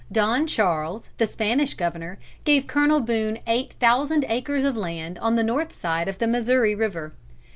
Don Charles, the Spanish governor, gave Colonel Boone eight thousand acres of land on the north side of the Missouri river.